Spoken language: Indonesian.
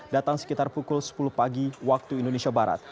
datang sekitar pukul sepuluh pagi waktu indonesia barat